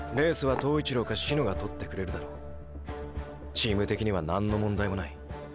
チーム的にはなんの問題もない。